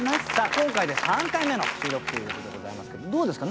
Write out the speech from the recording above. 今回で３回目の収録ということでございますけどどうですか？